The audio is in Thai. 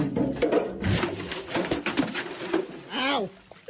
อ้าว